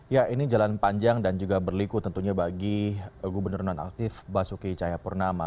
ya ini jalan panjang dan juga berliku tentunya bagi gubernur non aktif basuki cayapurnama